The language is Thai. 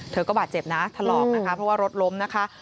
เธอก็บาดเจ็บนะถลอกนะคะเพราะว่ารถล้มนะคะ